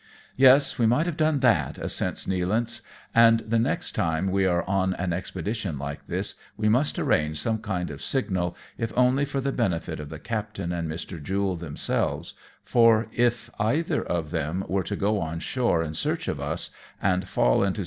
" Yes ; we might have done that/' assents Nealance, " and the next time we are on an expedition like this, we must arrange some kind of signal, if only for the benefit of the captain and Mr. Jule themselves ; for if either of them were to go on shore in search of us, and fall into 274 AMONG TYPHOONS AND PIRATE CRAFT.